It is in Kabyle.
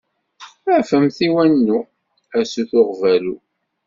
Anfemt i wannu, a sut uɣbalu!